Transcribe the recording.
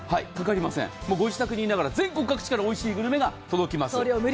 ご自宅にいながら全国各地からおいしいグルメが届きます。